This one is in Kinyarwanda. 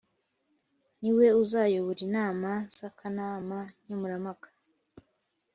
Niwe uzayobora inama z’ Akanama nkemurampaka